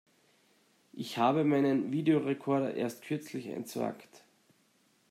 Ich habe meinen Videorecorder erst kürzlich entsorgt.